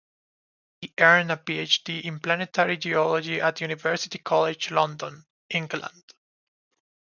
He earned a Ph.D. in planetary geology at University College London, England.